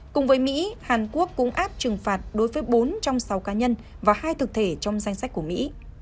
cùng với mỹ hàn quốc cũng áp trừng phạt đối với bốn trong sáu cá nhân và hai thực thể trong danh sách của mỹ